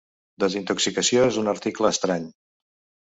Desintoxicació és un article estrany.